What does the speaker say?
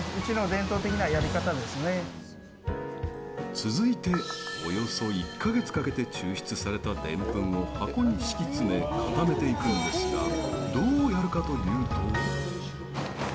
続いて、およそ１か月かけて抽出されたデンプンを箱に敷き詰め固めていくんですがどうやるかというと。